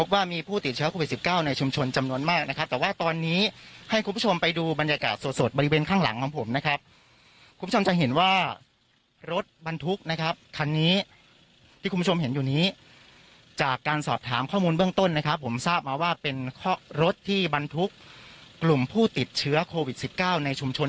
ว่ามีผู้ติดเชื้อโควิด๑๙ในชุมชนจำนวนมากนะครับแต่ว่าตอนนี้ให้คุณผู้ชมไปดูบรรยากาศสดบริเวณข้างหลังของผมนะครับคุณผู้ชมจะเห็นว่ารถบรรทุกนะครับคันนี้ที่คุณผู้ชมเห็นอยู่นี้จากการสอบถามข้อมูลเบื้องต้นนะครับผมทราบมาว่าเป็นรถที่บรรทุกกลุ่มผู้ติดเชื้อโควิด๑๙ในชุมชน